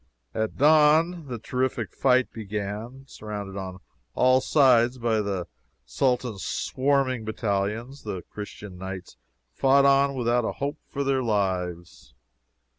At dawn the terrific fight began. Surrounded on all sides by the Sultan's swarming battalions, the Christian Knights fought on without a hope for their lives.